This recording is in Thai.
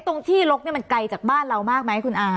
ตรงที่ลกเนี่ยมันไกลจากบ้านเรามากไหมคุณอา